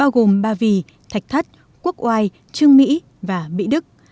bao gồm ba vì thạch thất quốc oai trương mỹ và mỹ đức